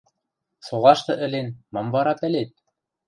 – Солашты ӹлен, мам вара пӓлет?